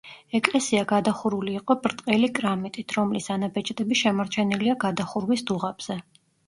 ეკლესია გადახურული იყო ბრტყელი კრამიტით, რომლის ანაბეჭდები შემორჩენილია გადახურვის დუღაბზე.